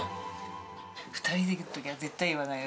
２人でいるときは絶対言わないよ。